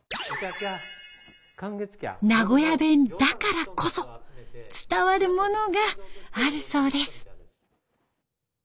名古屋弁だからこそ伝わるものがあるそうです。